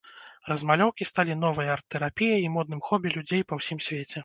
Размалёўкі сталі новай арт-тэрапіяй і модным хобі людзей па ўсім свеце.